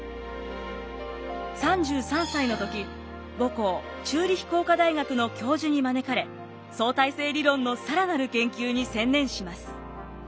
３３歳の時母校チューリヒ工科大学の教授に招かれ相対性理論の更なる研究に専念します。